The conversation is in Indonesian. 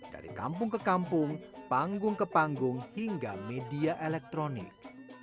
dari kampung ke kampung panggung ke panggung hingga media elektronik